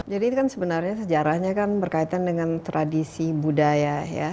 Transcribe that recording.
jadi ini kan sebenarnya sejarahnya kan berkaitan dengan tradisi budaya ya